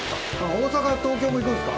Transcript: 大阪東京も行くんですか。